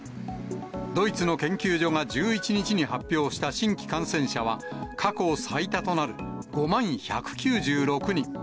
ドイツの研究所が１１日に発表した新規感染者は、過去最多となる５万１９６人。